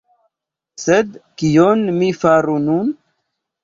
Sed kion mi faru nun?